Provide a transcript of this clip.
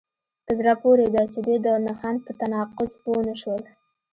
په زړه پورې ده چې دوی د نښان په تناقض پوه نشول